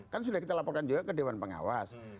kan sudah kita laporkan juga ke dewan pengawas